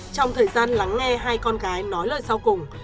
trong thời gian lắng nghe hai con gái nói lời sau cùng